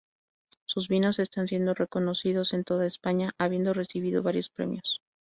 Sus vinos están siendo reconocidos en toda España, habiendo recibido varios premios.